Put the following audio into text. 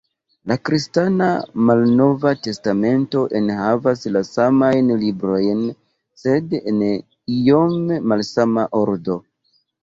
La kristana "Malnova Testamento" enhavas la samajn librojn, sed en iom malsama ordo.